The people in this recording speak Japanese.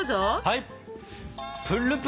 はい！